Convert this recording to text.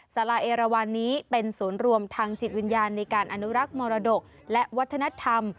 สาราเอราวันนี้เป็นศูนย์รวมทางจิตวิญญาณในการอนุรักษ์มรดกและวัฒนธรรม